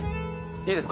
いいですか？